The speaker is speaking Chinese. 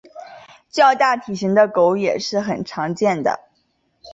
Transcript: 较大体型的狗也是很常见的。